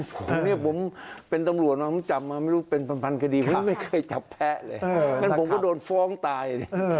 ผมเป็นตำรวจมาไม่รู้เป็นพันธุ์คดีไม่เคยจับแพ้เลยผมก็โดนฟ้องตาย